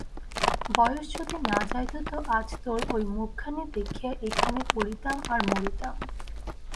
বয়স যদি না যাইত তো আজ তোর ঐ মুখখানি দেখিয়া এইখানে পড়িতাম আর মরিতাম।